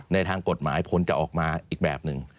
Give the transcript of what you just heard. ในทางกฎหมายผลจะออกมาอีกแบบหนึ่ง